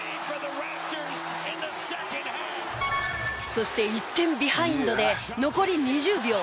そして１点ビハインドで残り２０秒。